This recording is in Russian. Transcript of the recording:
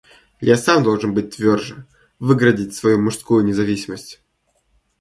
Я сам должен был быть тверже, выгородить свою мужскую независимость.